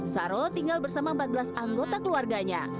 saro tinggal bersama empat belas anggota keluarganya